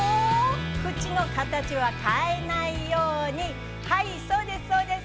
口の形は変えないように、はいそうです、そうです。